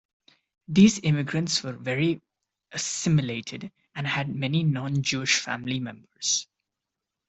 These immigrants were very assimilated and had many non-Jewish family members.